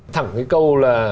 thẳng cái câu là